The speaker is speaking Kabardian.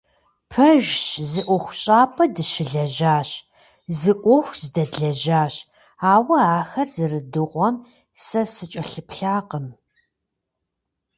Пэжщ, зы ӀуэхущӀапӀэ дыщылэжьащ, зы Ӏуэху здэдлэжьащ, ауэ ахэр зэрыдыгъуэм сэ сыкӀэлъыплъакъым.